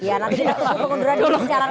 ya nanti kita tunggu kemunduran